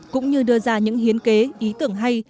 cũng như đưa ra những hiến kế ý tưởng hay